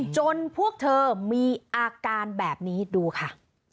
พวกเธอมีอาการแบบนี้ดูค่ะ